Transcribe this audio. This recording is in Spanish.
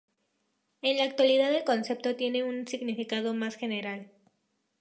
En la actualidad el concepto tiene un significado más general.